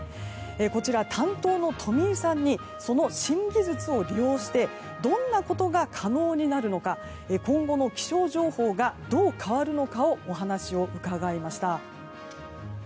こちら、担当の冨井さんにその新技術を利用してどんなことが可能になるのか今後の気象情報がどう変わるのかをお話を伺いました。